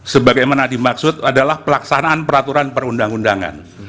sebagaimana dimaksud adalah pelaksanaan peraturan perundang undangan